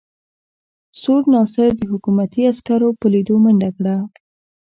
سور ناصر د حکومتي عسکرو په لیدو منډه کړه.